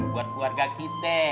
buat keluarga kita